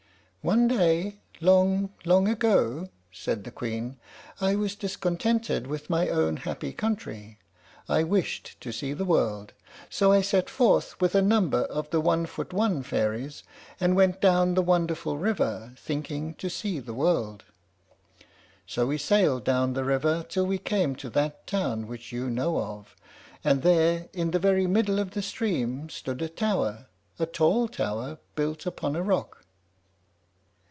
"One day, long, long ago," said the Queen, "I was discontented with my own happy country. I wished to see the world, so I set forth with a number of the one foot one fairies, and went down the wonderful river, thinking to see the world. "So we sailed down the river till we came to that town which you know of; and there, in the very middle of the stream, stood a tower, a tall tower, built upon a rock.